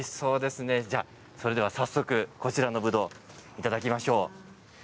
それでは早速こちらのぶどうをいただきましょう。